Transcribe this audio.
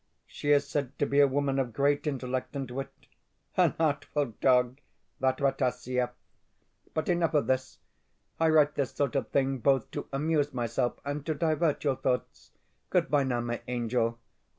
She is said to be a woman of great intellect and wit. An artful dog, that Rataziaev! But enough of this. I write this sort of thing both to amuse myself and to divert your thoughts. Goodbye now, my angel.